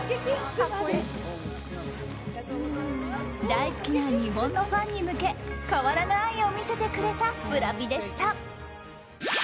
大好きな日本のファンに向け変わらぬ愛を見せてくれたブラピでした。